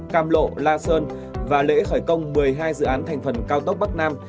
càm lộ la sơn và lễ khởi công một mươi hai dự án thành phần cao tốc bắc nam